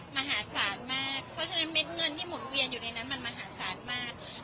มหาศาลมากเพราะฉะนั้นเม็ดเงินที่หมุนเวียนอยู่ในนั้นมันมหาศาลมาก